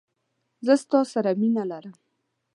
زه ستا سره مينه لرم.